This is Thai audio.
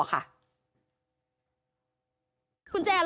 คุณแจล์รถไง